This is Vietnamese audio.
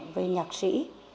về nhạc sĩ